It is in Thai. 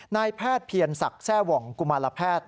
นายแพทย์เพียรศักดิ์แทร่หว่องกุมารแพทย์